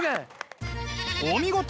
お見事！